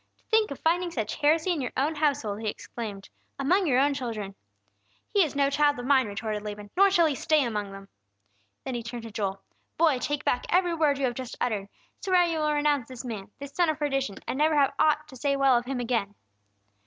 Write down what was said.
"To think of finding such heresy in your own household!" he exclaimed. "Among your own children!" "He is no child of mine!" retorted Laban. "Nor shall he stay among them!" Then he turned to Joel. "Boy, take back every word you have just uttered! Swear you will renounce this man, this son of perdition, and never have aught to say well of Him again!"